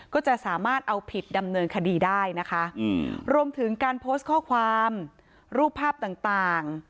ก็จะสามารถเอาผิดดำเนินคดีได้นะคะรวมถึงการโพสต์ข้อความรูปภาพต่าง